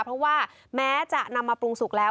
เพราะว่าแม้จะนำมาปรุงสุกแล้ว